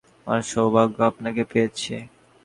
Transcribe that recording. আমার সৌভাগ্য আপনাকে পেয়েছি।